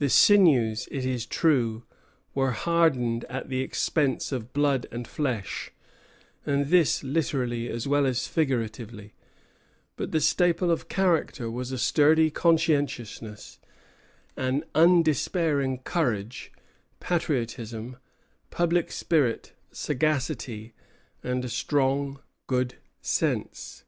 The sinews, it is true, were hardened at the expense of blood and flesh, and this literally as well as figuratively; but the staple of character was a sturdy conscientiousness, an undespairing courage, patriotism, public spirit, sagacity, and a strong good sense.